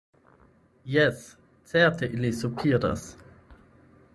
Jes, certe ili sopiras.